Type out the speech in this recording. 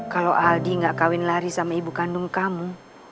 kalau aldi gak kawin lari sama ibu kandung kamu